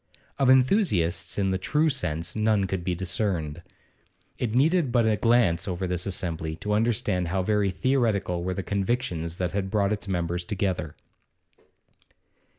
Of enthusiasts in the true sense none could be discerned. It needed but a glance over this assembly to understand how very theoretical were the convictions that had brought its members together.